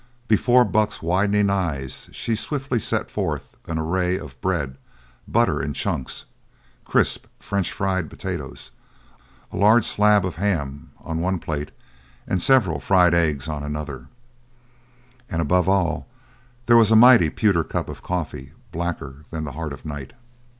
Before Buck's widening eyes she swiftly set forth an array of bread, butter in chunks, crisp French fried potatoes, a large slab of ham on one plate and several fried eggs on another, and above all there was a mighty pewter cup of coffee blacker than the heart of night.